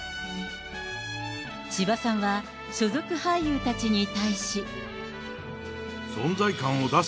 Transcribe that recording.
千葉さんは所属俳優たちに対し。存在感を出せ！